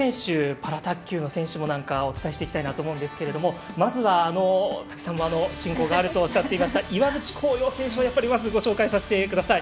パラ卓球の選手なんかもお伝えしていきたいと思うんですけどまずは、たくさん親交があるとおっしゃっていましたが岩渕幸洋選手をご紹介させてください。